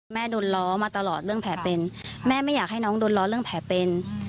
โดนล้อมาตลอดเรื่องแผลเป็นแม่ไม่อยากให้น้องโดนล้อเรื่องแผลเป็น